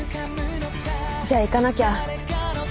じゃあ行かなきゃ。